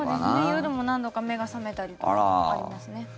夜も何度か目が覚めたりとかありますね。